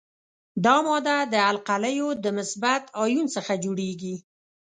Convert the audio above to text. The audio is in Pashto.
دا ماده د القلیو د مثبت آیون څخه جوړیږي.